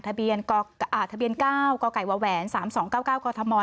ทะเบียน๙กไก่วาแหวน๓๒๙๙กธม